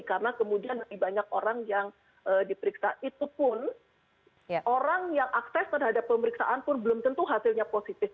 karena kemudian dari banyak orang yang diperiksa itu pun orang yang akses terhadap pemeriksaan pun belum tentu hasilnya positif